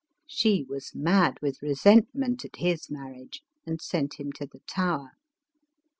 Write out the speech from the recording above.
She was mad with resentment at his marriage, and sent him to the Tower.